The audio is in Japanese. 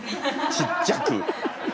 ちっちゃく。